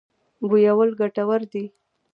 بویول ګټور دی.